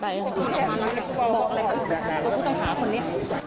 บอกอะไรครับเพราะคุณต้องหาคนนี้